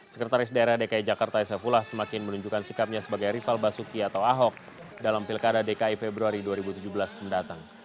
sekretaris daerah dki jakarta saifullah semakin menunjukkan sikapnya sebagai rival basuki atau ahok dalam pilkada dki februari dua ribu tujuh belas mendatang